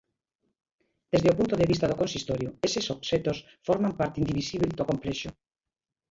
Desde o punto de vista do Consistorio, eses obxectos forman parte indivisíbel do complexo.